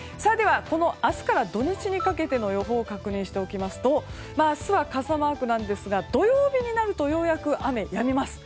明日から土日にかけての予報を確認しておきますと明日は傘マークですが土曜日になるとようやく雨がやみます。